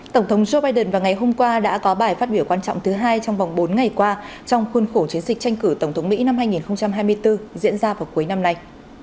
tổng thống joe biden vào ngày hôm qua đã có bài phát biểu quan trọng thứ hai trong vòng bốn ngày qua trong khuôn khổ chiến dịch tranh cử tổng thống mỹ năm hai nghìn hai mươi bốn diễn ra vào cuối năm nay